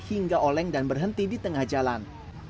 hingga oleng dan berhenti di tengah jalan